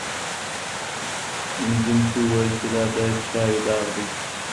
مینځونکي وویل چي دا د چایو داغ دی.